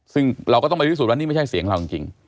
ซึ่งเราก็ต้องไปพิสูจนว่านี่ไม่ใช่เสียงเราจริง